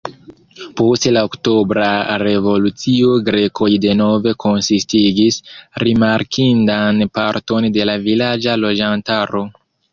Post la Oktobra revolucio grekoj denove konsistigis rimarkindan parton de la vilaĝa loĝantaro.